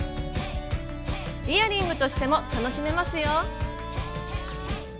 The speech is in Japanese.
イヤリングとしても楽しめますよ。